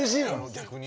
逆に。